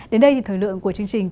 đến đây thì thời lượng của chương trình